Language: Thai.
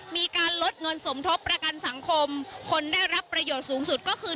มีการลดเงินสมทบประกันสังคมคนได้รับประโยชน์สูงสุดก็คือ